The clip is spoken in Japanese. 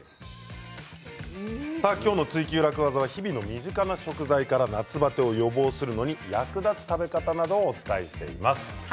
今日の「ツイＱ楽ワザ」は日々の身近な食材から夏バテを予防するのに役立つ食べ方などをご紹介しています。